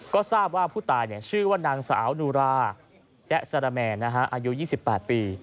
ก็ทราบว่าผู้ตายชื่อว่านางสาวนูราแจ๊สารแมนอายุ๒๘ปี